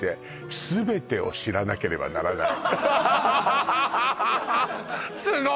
「すべてを知らなければならない」